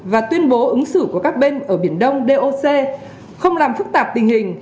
và tuyên bố ứng xử của các bên ở biển đông doc không làm phức tạp tình hình